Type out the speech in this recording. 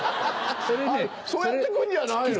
そうやって来んじゃないの？